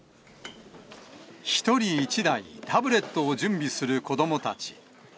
１人１台、タブレットを準備する子どもたち。